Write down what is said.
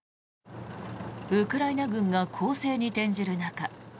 ウクライナ軍が攻勢に転じる中